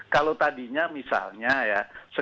kalau tadinya misalnya ya